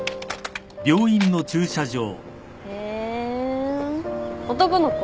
へえ男の子？